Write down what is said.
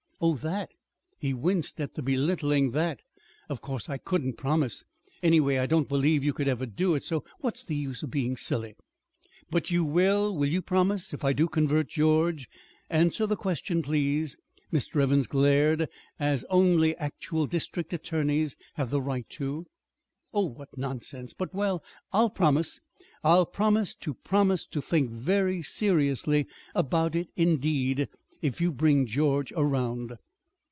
"Oh, that!" He winced at the belittling "that." "Of course I couldn't promise anyway I don't believe you could ever do it, so what's the use of being silly?" "But you will will you promise, if I do convert George? Answer the question, please!" Mr. Evans glared as only actual district attorneys have the right to. "Oh, what nonsense but, well, I'll promise I'll promise to promise to think very seriously about it indeed, if you bring George around."